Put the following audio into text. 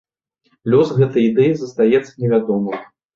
Лёс гэтай ідэі застаецца невядомым.